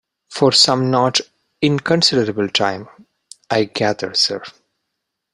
For some not inconsiderable time, I gather, sir.